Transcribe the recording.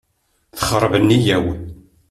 Texreb nniyya-w.